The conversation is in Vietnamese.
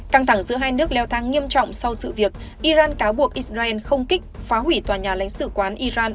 căng thẳng giữa hai nước leo thang nghiêm trọng sau sự việc iran cáo buộc israel không kích phá hủy tòa nhà lãnh sự quán iran